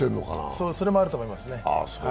それもあると思いますね。